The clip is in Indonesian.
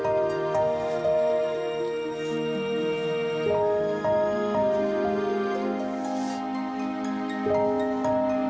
nelakar semua sakit